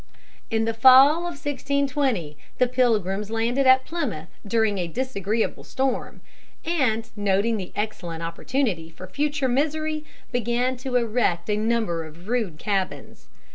In the fall of 1620 the Pilgrims landed at Plymouth during a disagreeable storm, and, noting the excellent opportunity for future misery, began to erect a number of rude cabins.